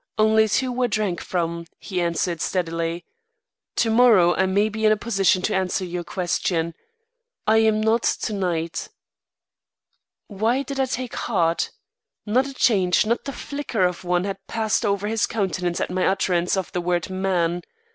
Only two were drank from," he answered, steadily. "Tomorrow I may be in a position to answer your question. I am not to night." Why did I take heart? Not a change, not the flicker of one had passed over his countenance at my utterance of the word man.